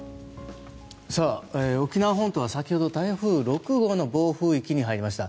沖縄本島は先ほど台風６号の暴風域に入りました。